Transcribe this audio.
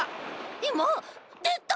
いまでた。